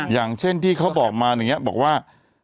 อย่างเช่นที่เขาบอกมาอย่างนี้บอกว่า